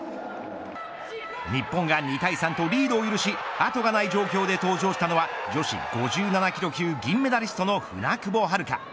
日本が２対３とリードを許し後がない状況で登場したのは女子５７キロ級銀メダリストの舟久保遥香。